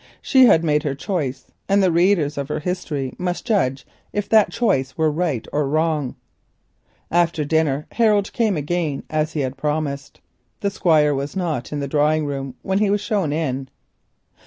She had made her choice, and the readers of her history must judge if that choice was right or wrong. After dinner Harold came again as he had promised. The Squire was not in the drawing room when he was shown in.